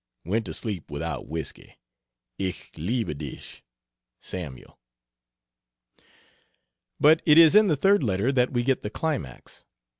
Went to sleep without whisky. Ich liebe dish. SAML. But it is in the third letter that we get the climax.